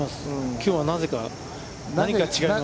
きょうは、なぜか、何か違います。